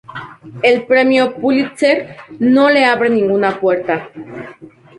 El Premio Pulitzer no le abre ninguna puerta.